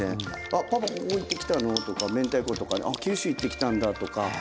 「あっパパここ行ってきたの」とかめんたいことか「あっ九州行ってきたんだ」とか。